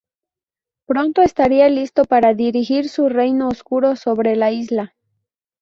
Pronto estaría listo para dirigir su reino oscuro sobre la isla.